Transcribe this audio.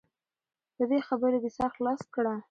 په دې خبره دې سر خلاص کړه .